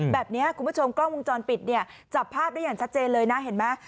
แบบนี้คุณผู้ชมกล้องวงจรปิดเนี่ยจับภาพได้อย่างชัดเจนเลยนะเห็นไหม